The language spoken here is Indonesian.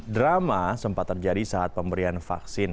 drama sempat terjadi saat pemberian vaksin